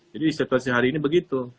jadi situasi hari ini begitu